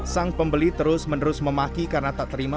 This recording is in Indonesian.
sang pembeli terus menerus memaki karena tak terima